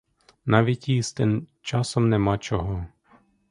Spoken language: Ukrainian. Навіть їсти часом нема чого.